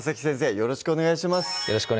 よろしくお願いします